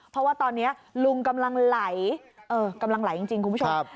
เพราะว่าตอนนี้ลุงกำลังไหลกำลังไหลจริงคุณผู้ชม